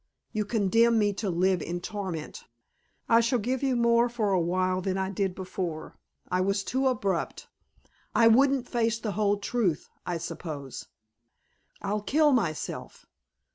You condemn me to live in torment." "I shall give you more for a while than I did before. I was too abrupt. I wouldn't face the whole truth, I suppose." "I'll kill myself."